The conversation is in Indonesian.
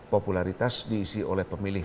popularitas diisi oleh pemilih